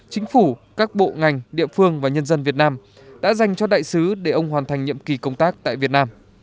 chính phủ các bộ ngành địa phương và nhân dân việt nam đã dành cho đại sứ để ông hoàn thành nhiệm kỳ công tác tại việt nam